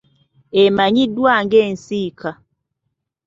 Emanyiddwa nga ensika.